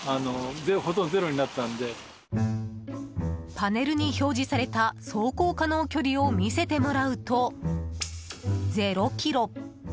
パネルに表示された走行可能距離を見せてもらうと０ｋｍ。